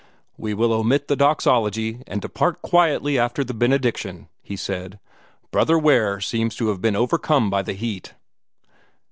"We will omit the Doxology, and depart quietly after the benediction," he said. "Brother Ware seems to have been overcome by the heat."